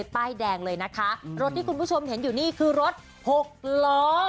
ป้ายแดงเลยนะคะรถที่คุณผู้ชมเห็นอยู่นี่คือรถหกล้อ